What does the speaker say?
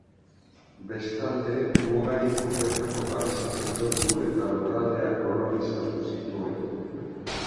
Bestalde, muga inguruetako babesa sendotu eta lurraldeak kolonizatu zituen.